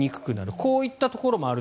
こういったこともある。